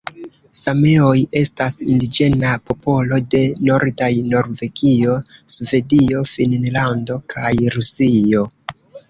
Sameoj estas indiĝena popolo de nordaj Norvegio, Svedio, Finnlando kaj Rusio.